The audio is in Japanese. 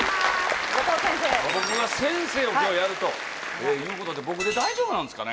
僕が先生を今日やるということで僕で大丈夫なんですかね？